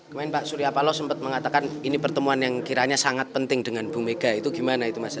kemarin pak surya paloh sempat mengatakan ini pertemuan yang kiranya sangat penting dengan bu mega itu gimana itu mas